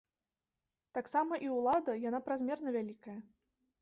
Так сама і ўлада, яна празмерна вялікая.